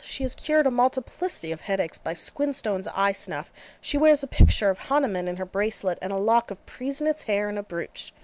She has cured a multiplicity of headaches by Squinstone's Eye snuff; she wears a picture of Hahnemann in her bracelet and a lock of Priessnitz's hair in a brooch.